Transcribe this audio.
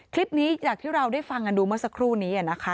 คลิปนี้จากที่เราได้ฟังกันดูเมื่อสักครู่นี้นะคะ